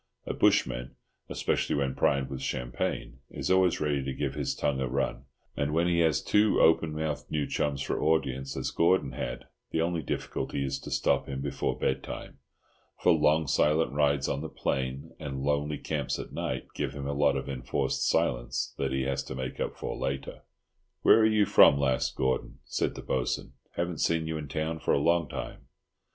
A bushman, especially when primed with champagne, is always ready to give his tongue a run—and when he has two open mouthed new chums for audience, as Gordon had, the only difficulty is to stop him before bed time; for long silent rides on the plain, and lonely camps at night, give him a lot of enforced silence that he has to make up for later. "Where are you from last, Gordon?" said the Bo'sun. "Haven't seen you in town for a long time."